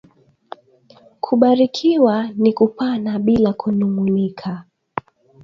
Kubarikiwa ni kupana bila kunungunika